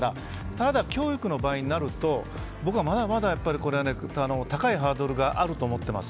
ただ、教育の場合になると僕はまだまだ高いハードルがあると思っています。